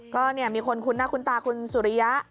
ก็มีคนคุณคุณตาคุณสุริยะ